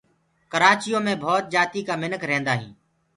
ڪرآچيو مي ڀوت جآتيٚ ڪآ منک ريهدآ هينٚ